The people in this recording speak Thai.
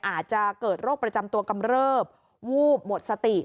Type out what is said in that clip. อาจจะเกิดโรคประจำตัวกำเริบวูบหมดสติ